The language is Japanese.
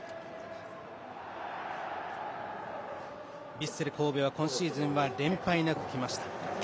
ヴィッセル神戸は今シーズン連敗なくきました。